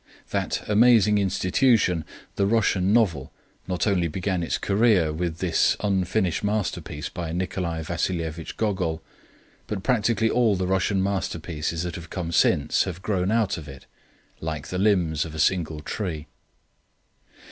That amazing institution, "the Russian novel," not only began its career with this unfinished masterpiece by Nikolai Vasil'evich Gogol, but practically all the Russian masterpieces that have come since have grown out of it, like the limbs of a single tree.